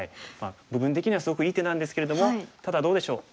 部分的にはすごくいい手なんですけれどもただどうでしょう